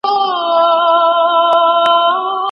تېر تاريخ د ملت لويه پانګه ده.